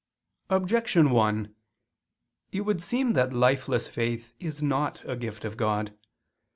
Objection 1: It would seem that lifeless faith is not a gift of God.